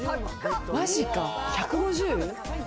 マジか、１５０？